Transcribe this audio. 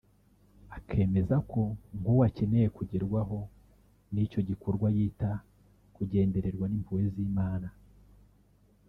akemeza ko nk’uwo akeneye kugerwaho n’icyo gikorwa yita kugendererwa n’impuhwe z’ Imana